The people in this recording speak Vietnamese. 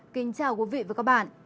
kính chào quý vị và các bạn